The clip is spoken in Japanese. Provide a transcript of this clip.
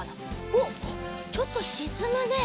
おっちょっとしずむね。